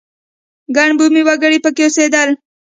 ګڼ بومي وګړي په کې اوسېدل.